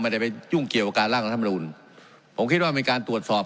ไม่ได้ไปยุ่งเกี่ยวกับการรัฐภาษณ์ธรรมดุลผมคิดว่ามีการตรวจสอบ